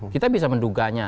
kita bisa menduganya